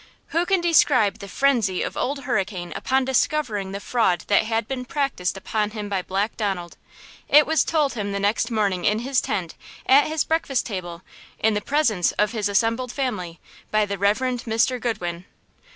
Who can describe the frenzy of Old Hurricane upon discovering the fraud that had been practised upon him by Black Donald? It was told him the next morning in his tent, at his breakfast table, in the presence of his assembled family, by the Rev Mr. Goodwin.